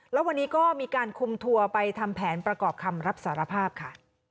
แล้ววันนี้ก็มีการคุมทัวร์ไปทำแผนประกอบคำรับสารภาพค่ะ